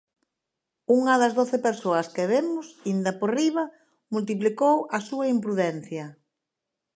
Unha das doce persoas que vemos, inda por riba, multiplicou a súa imprudencia.